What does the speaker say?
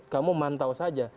kamu mantau saja